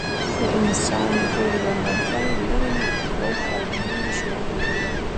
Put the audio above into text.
انسانان ډیر ځانګړتیاوي لري لکه پوهه او د نوي شیانو جوړول